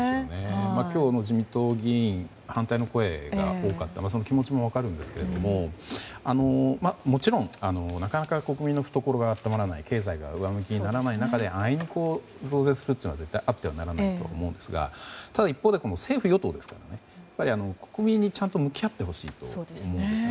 今日、自民党議員からは反対の声が多かったというその気持ちも分かるんですがもちろんなかなか国民の懐が温まらない経済が上向きにならない中で安易に増税するというのは絶対にあってはなりませんがただ一方で政府・与党ですから国民に向き合ってほしいと思うんですね。